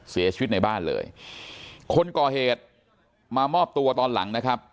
เสียชีวิตในบ้านเลยคนก่อเหตุมามอบตัวตอนหลังนะครับ